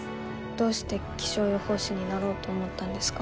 どうして気象予報士になろうと思ったんですか？